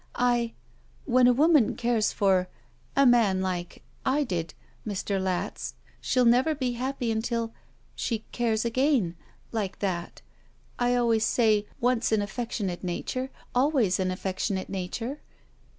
I — When a woman cares for — a man like — I did — ^Mr. Latz, she'll never be happy until — she cares again — ^like that. I always say, once an affec tionate nature, always an affectionate nature."